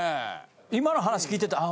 今の話聞いててあ